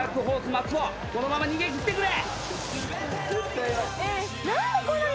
松尾このまま逃げ切ってくれ！